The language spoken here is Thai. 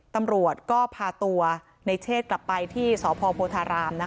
ตำรวจก็พาตัวในเชษฐ์กลับไปที่สพธรรมนะคะ